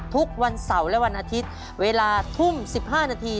ทุกวันเสาร์และวันอาทิตย์เวลาทุ่ม๑๕นาที